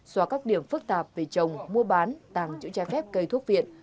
xóa các điểm phức tạp về trồng mua bán tàng trữ trái phép cây thuốc viện